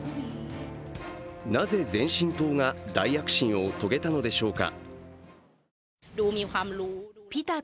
なぜ前進党が大躍進を遂げたのでしょうか。